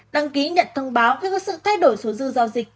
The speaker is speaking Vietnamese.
đăng ký nhận thông báo khi có sự thay đổi số dư giao dịch